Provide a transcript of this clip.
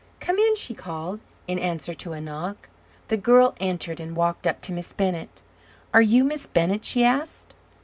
Come in!" she called; in answer to a knock. The girl entered, and walked up to Miss Bennett. "Are you Miss Bennett?" she asked.